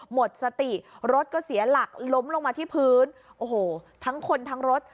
หมดสติรถก็เสียหลักล้มลงมาที่พื้นโอ้โหทั้งคนทั้งรถ